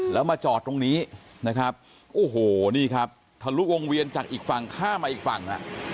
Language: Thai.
แล้วมาจอดตรงนี้นะครับโอ้โหนี่ครับทะลุวงเวียนจากอีกฝั่งข้ามมาอีกฝั่ง